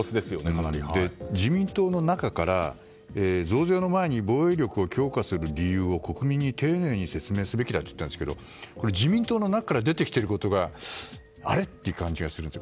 自民党の中から増税の前に防衛力を強化する理由を国民に丁寧に説明すべきだといったんですが自民党の中から出てきていることがあれ？っていう感じがするんです。